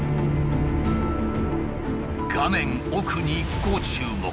画面奥にご注目。